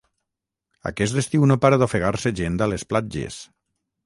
Aquest estiu no para d'ofegar-se gent a les platges.